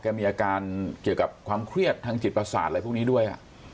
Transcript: มีอาการเกี่ยวกับความเครียดทางจิตประสาทอะไรพวกนี้ด้วย